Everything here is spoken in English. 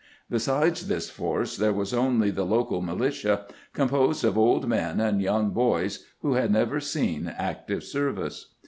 Besides this force there was only the local militia, composed of old men and young boys, who had never seen active service.